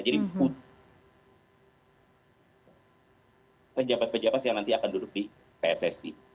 jadi pejabat pejabat yang nanti akan duduk di pssi